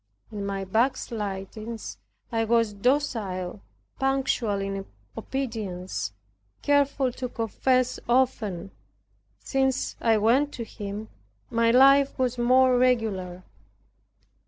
In my backslidings I was docile, punctual in obedience, careful to confess often. Since I went to him my life was more regular.